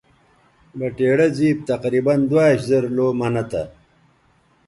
بٹیڑہ زِیب تقریباً دواش زر لَو منہ تھا